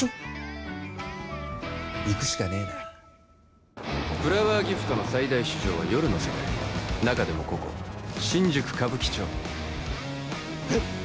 行くしかねえなフラワーギフトの最大市場は夜の世界中でもここ新宿歌舞伎町えっ